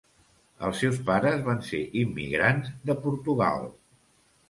Els seus pares van ser immigrants de Portugal.